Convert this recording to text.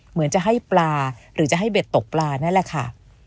เหมือนจะให้ปลาหรือจะให้เบ็ดตกปลานั่นแหละค่ะ